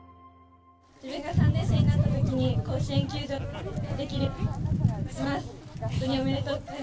自分が３年生になったときに、甲子園球場でプレーできるようにします。